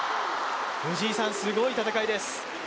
藤井さん、すごい戦いです。